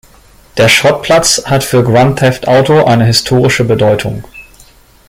Der Schrottplatz hat für Grand Theft Auto eine historische Bedeutung.